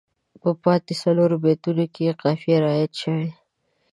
په پاتې څلورو بیتونو کې یې قافیه رعایت شوې.